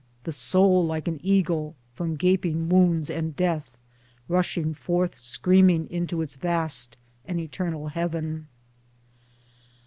the soul like an eagle — from gaping wounds and death — rushing forth screaming into its vast and eternal heaven.